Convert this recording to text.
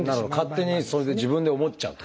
勝手にそれで自分で思っちゃうという。